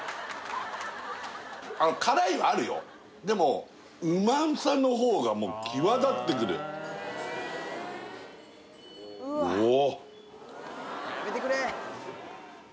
辛いはあるよでもうまさのほうがもう際立ってくるおお